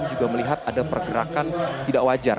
juga melihat ada pergerakan tidak wajar